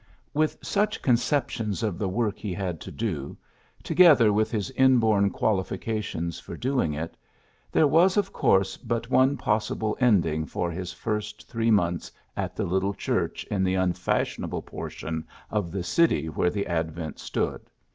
With such conceptions of the work he had to do, together with his inborn quali fications for doing it, there was of course but one possible ending for his first three months at the little church in the un fashionable portion of the city where the Advent stood.